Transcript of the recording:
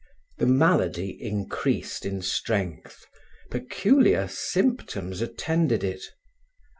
The malady increased in strength; peculiar symptoms attended it.